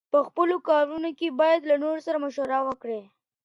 په خپلو کارونو کي بايد له نورو سره مشوره وکړو.